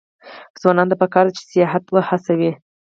ځوانانو ته پکار ده چې، سیاحت هڅوي.